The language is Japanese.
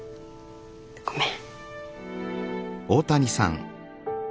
ごめん。